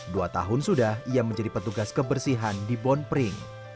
dua tahun sudah ia menjadi petugas kebersihan di bon pring